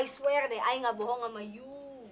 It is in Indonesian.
i swear deh ayah nggak bohong sama you